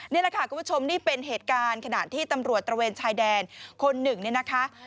นี่แหละค่ะคุณผู้ชมนี่เป็นเหตุการณ์ขณะที่ตำรวจตระเวนชายแดนคนหนึ่งเนี่ยนะคะ